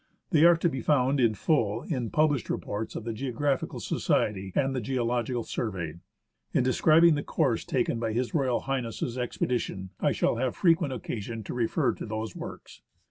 They are to be found in full in the published reports of the "Geographical Society" and the "Geological Survey." In de scribing the course taken by H.R.H.'s expedition, I shall have frequent occasion to refer to those works.